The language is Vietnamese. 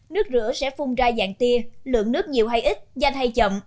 nước rửa sẽ phung ra dạng tia lượng nước nhiều hay ít nhanh hay chậm